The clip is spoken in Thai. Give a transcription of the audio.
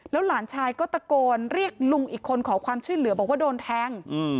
หลานชายก็ตะโกนเรียกลุงอีกคนขอความช่วยเหลือบอกว่าโดนแทง